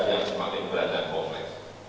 yang semakin berat dan kompleks